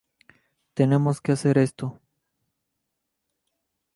Tenemos que hacer esto".